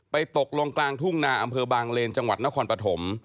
ตกลงกลางทุ่งนาอำเภอบางเลนจังหวัดนครปฐม